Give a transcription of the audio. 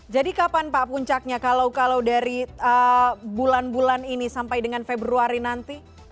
jadi kapan pak puncaknya kalau dari bulan bulan ini sampai dengan februari nanti